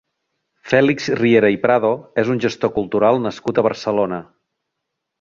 Fèlix Riera i Prado és un gestor cultural nascut a Barcelona.